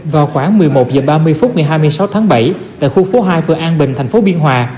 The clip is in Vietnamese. vào khoảng một mươi một h ba mươi phút ngày hai mươi sáu tháng bảy tại khu phố hai phường an bình thành phố biên hòa